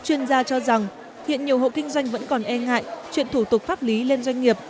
chuyên gia cho rằng hiện nhiều hộ kinh doanh vẫn còn e ngại chuyện thủ tục pháp lý lên doanh nghiệp